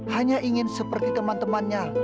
hanya ingin seperti teman temannya